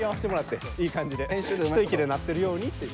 いい感じで一息になってるようにって。